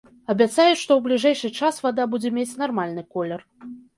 І абяцаюць, што ў бліжэйшы час вада будзе мець нармальны колер.